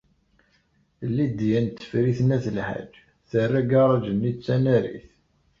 Lidya n Tifrit n At Lḥaǧ terra agaṛaj-nni d tanarit.